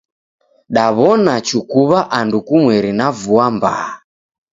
Daw'ona chukuw'a andu kumweri na vua mbaa.